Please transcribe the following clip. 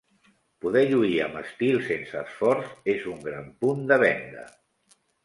Poder lluir amb estil sense esforç és un gran punt de venda.